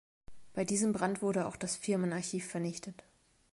Bei diesem Brand wurde auch das Firmenarchiv vernichtet.